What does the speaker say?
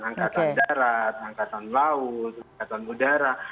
angkatan darat angkatan laut angkatan udara